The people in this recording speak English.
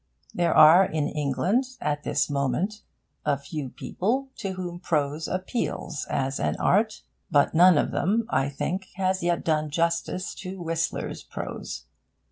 There are in England, at this moment, a few people to whom prose appeals as an art; but none of them, I think, has yet done justice to Whistler's prose.